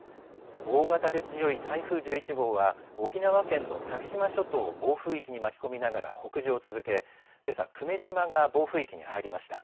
大型で強い台風１１号は沖縄県の先島諸島を暴風域に巻き込みながら北上を続けけさ久米島が暴風域に入りました。